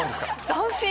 斬新！